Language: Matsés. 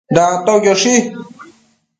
Dactoquioshi